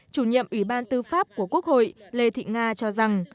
chủ nhiệm ủy ban tư pháp của quốc hội lê thị nga cho rằng